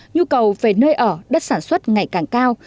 nhu cầu về nơi ở đất sản xuất ngày càng cao